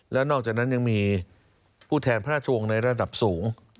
แล้วนอกจากนั้นยังมีผู้แทนพระราชวงศ์ในระดับสูง